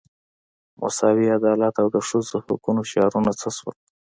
مساوي عدالت او د ښځو حقوقو شعارونه څه شول.